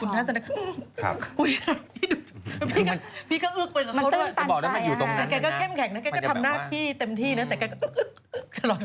เกิดเข้มแข็งเกิดที่มาทำหน้าที่เต็มที่แต่คือกุฟเลย